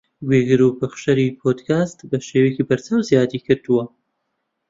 گوێگر و پەخشەری پۆدکاست بەشێوەیەکی بەرچاو زیادی کردووە